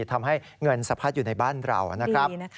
ทำให้เงินสะพัดอยู่ในบ้านเรานะครับ